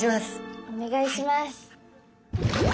お願いします。